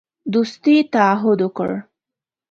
دوستی تعهد وکړ.